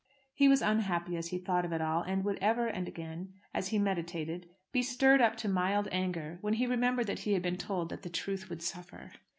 He was unhappy as he thought of it all, and would ever and again, as he meditated, be stirred up to mild anger when he remembered that he had been told that "the truth would suffer."